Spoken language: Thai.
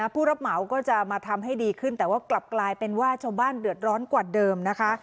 ผู้รับเหมาก็จะมาทำให้ดีขึ้นแต่ว่ากลับกลายเป็นว่าชาวบ้านเดือดร้อนกว่าเดิมนะคะ